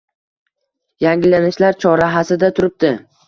yangilanishlar chorrahasida turibdi